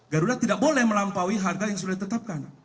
garuda tidak boleh melampaui harga yang sudah ditetapkan